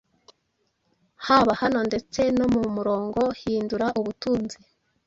haba hano ndetse no mu murongo hindura ubutunzi